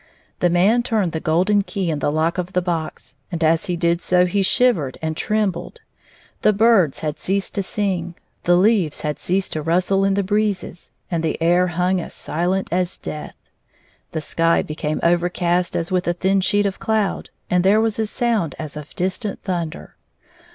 The man turned the golden key in the lock of the box, and as he did so he shivered and trem bled. The birds had ceased to sing, the leaves had ceased to rustle in the breezes, and the air hung as silent as death ; the sky became overcast as with a thin sheet of cloud, and there was a sound as of distant thunder.